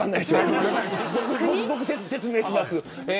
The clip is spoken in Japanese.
説明します。